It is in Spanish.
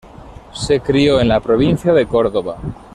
Se crio en la Provincia de Córdoba.